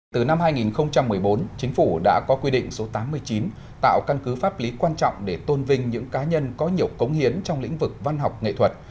từ năm hai nghìn một mươi bốn chính phủ đã có quy định số tám mươi chín tạo căn cứ pháp lý quan trọng để tôn vinh những cá nhân có nhiều cống hiến trong lĩnh vực văn học nghệ thuật